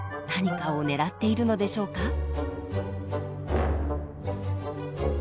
何かを狙っているのでしょうか。